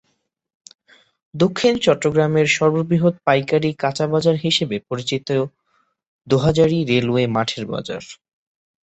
দক্ষিণ চট্টগ্রামের সর্ববৃহৎ পাইকারী কাঁচা বাজার হিসেবে পরিচিত দোহাজারী রেলওয়ে মাঠের বাজার।